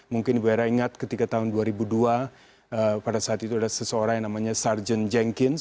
mungkin ibu hera ingat ketika tahun dua ribu dua pada saat itu ada seseorang yang namanya sarjan jengkins